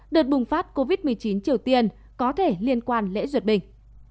đợt bùng phát covid một mươi chín triều tiên có thể liên quan lễ ruột bình